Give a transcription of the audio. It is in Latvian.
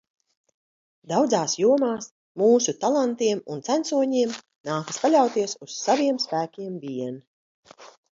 Daudzās jomās mūsu talantiem un censoņiem nākas paļauties uz saviem spēkiem vien.